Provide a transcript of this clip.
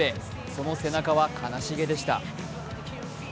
その背中は悲しげでした。